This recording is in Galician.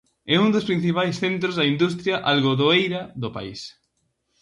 É un dos principais centros da industria algodoeira do país.